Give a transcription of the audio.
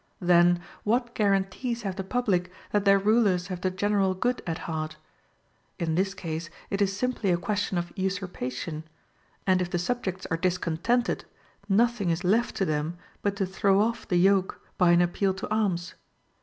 Then, what guarantees have the public that their rulers have the general good at heart? In this case it is simply a question of usurpation; and if the subjects are discontented, nothing is left to them but to throw off the yoke, by an appeal to arms.